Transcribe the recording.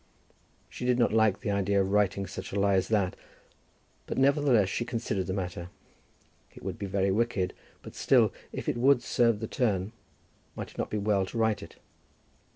She did not like the idea of writing such a lie as that, but nevertheless she considered the matter. It would be very wicked; but still, if it would serve the turn, might it not be well to write it?